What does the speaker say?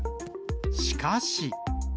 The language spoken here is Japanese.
しかし。